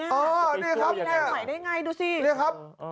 อ๋อนี่ครับนี่ครับมีแรงใหม่ได้ไงดูสิ